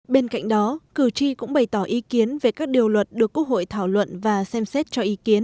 bên cạnh đó cử tri cũng bày tỏ ý kiến về các điều luật được quốc hội thảo luận và xem xét cho ý kiến